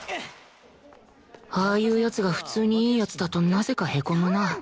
ああいう奴が普通にいい奴だとなぜかへこむな